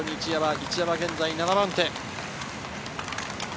一山は現在７番手。